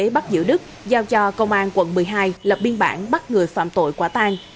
bắt giữ đức giao cho công an quận một mươi hai lập biên bản bắt người phạm tội quả tang